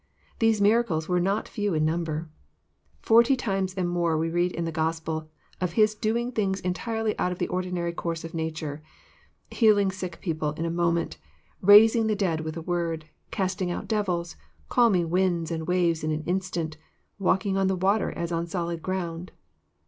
V These miracles were not few in number. Forty times and more we read in the Gospels of His doing things entirely out of the ordinary course of nature, — ^healing sick people in a moment, raising the dead with a word, casting out devils, calming winds and waves in an instant, walking on the water as on solid ground.